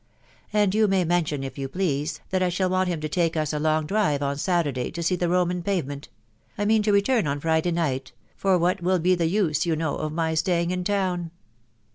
•.. And you may mention, if you please, that I shall want him to take us a long drive on Saturday to see the Rom\m Pavement .... I mean to return on Friday night .... for what will be the use, you know, of my staying in town